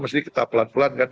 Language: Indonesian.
mesti kita pelan pelan kan